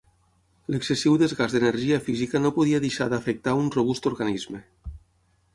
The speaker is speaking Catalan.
L'excessiu desgast d'energia física no podia deixar d'afectar un robust organisme.